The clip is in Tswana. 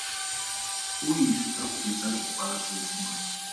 O ithuta go buisa le go kwala Seesimane.